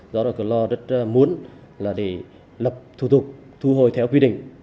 do đó cửa lò rất muốn là để lập thu thục thu hồi theo quy định